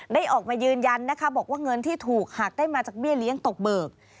ได้ออกมายืนยันนะคะบอกว่าเงินที่ถูกหักได้มาจากเบี้ยเลี้ยงตกเบิก